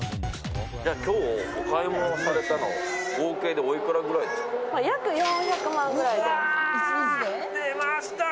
今日、お買い物されたの合計でおいくらくらいですか？